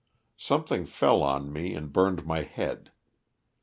Something fell on me and burned my head.